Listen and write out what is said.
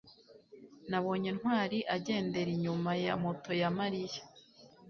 nabonye ntwali agendera inyuma ya moto ya mariya